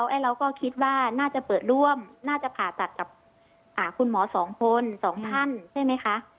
แล้วเราก็คิดว่าน่าจะเปิดร่วมน่าจะผ่าตัดกับคุณหมอสองคนสองท่านใช่ไหมคะ